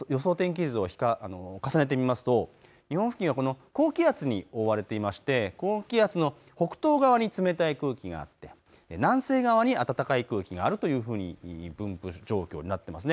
今夜９時の予想天気図を重ねてみますと日本付近はこの高気圧に覆われていまして高気圧の北東側に冷たい空気があって、南西側に暖かい空気があるというふうな分布状況になっています。